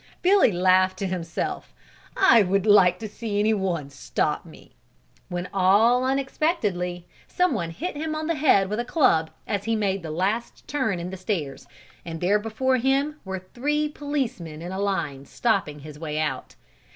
Billy laughed to himself, "I would like to see anyone stop me," when all unexpectedly, someone hit him on the head with a club as he made the last turn in the stairs and there before him were three policemen in a line stopping his way out.